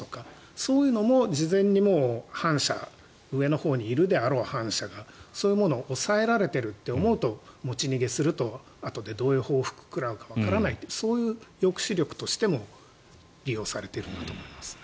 そういうのも事前に上のほうにいるであろう反社がそういうものを押さえられていると思うと持ち逃げするとあとでどういう報復を食らうかわからないというそういう抑止力としても利用されているんだと思います。